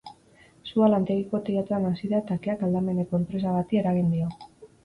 Sua lantegiko teilatuan hasi da eta keak aldameneko enpresa bati eragin dio.